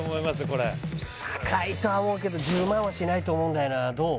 これ高いとは思うけど１０万はしないと思うんだよなどう？